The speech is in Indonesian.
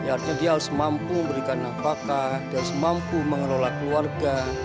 artinya dia harus mampu memberikan nafakah dia harus mampu mengelola keluarga